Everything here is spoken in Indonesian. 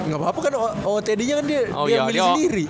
gapapa kan ootd nya kan dia yang milih sendiri